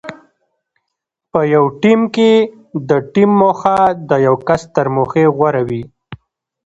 په یو ټیم کې د ټیم موخه د یو کس تر موخې غوره وي.